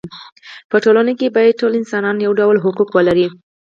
په ټولنه کې باید ټول انسانان یو ډول حقوق ولري.